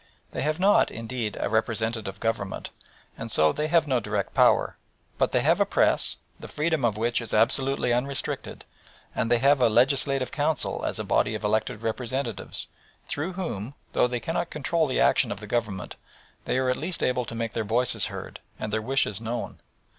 They have not, indeed, a representative government, and so they have no direct power, but they have a press, the freedom of which is absolutely unrestricted, and they have a "Legislative Council" as a body of elected representatives, through whom, though they cannot control the action of the Government, they are at least able to make their voices heard and their wishes known.